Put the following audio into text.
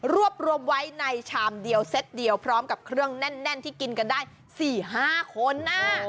รวบรวมไว้ในชามเดียวเซ็ตเดียวพร้อมกับเครื่องแน่นที่กินกันได้๔๕คน